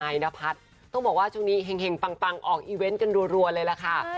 นพัฒน์ต้องบอกว่าช่วงนี้เห็งปังออกอีเวนต์กันรัวเลยล่ะค่ะ